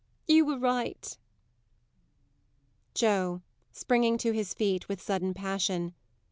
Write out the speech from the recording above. You were right! JOE. [_Springing to his feet, with sudden passion.